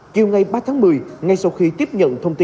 chiều ngày ba tháng một mươi ngay sau khi tiếp nhận thông tin